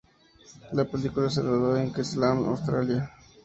La película se rodó en Queensland, Australia.